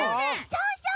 そうそう！